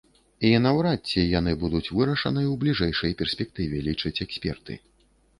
І наўрад ці яны будуць вырашаны ў бліжэйшай перспектыве, лічаць эксперты.